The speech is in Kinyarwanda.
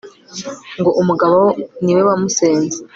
ngo umugabo ni we wamusenze